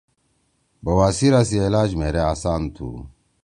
بواسیِرا سی علاج مھیرے آسان تُھو۔